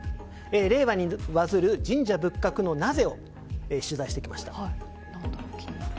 令和にバズる神社仏閣のなぜを取材してきました。